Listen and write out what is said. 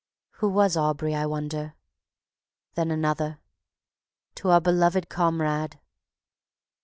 Who was Aubrey I wonder? Then another: _To Our Beloved Comrade.